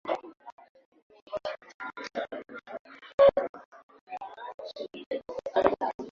Baadaye katika kazi yake, alifanya kazi kama msanii wa Idara ya Afya ya Uganda.